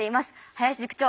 林塾長